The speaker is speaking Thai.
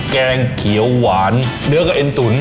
แกงเขียวหวานเนื้อก็เอ็นตุ๋น